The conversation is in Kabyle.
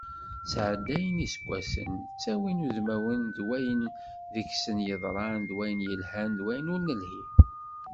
Ttɛeddayen yiseggasen, ttawin udmawen d wayen deg-sen yeḍran, s wayen yelhan d wayen ur nelhi.